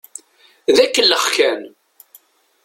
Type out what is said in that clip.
D akellex kan.